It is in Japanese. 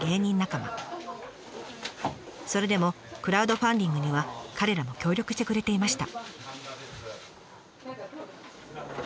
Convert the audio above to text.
それでもクラウドファンディングには彼らも協力してくれていました。